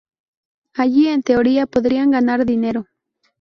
Allí, en teoría, podrían ganar dinero.